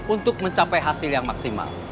untuk mencapai hasil yang maksimal